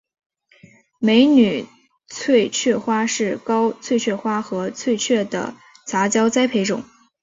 美女翠雀花是高翠雀花和翠雀的杂交栽培种。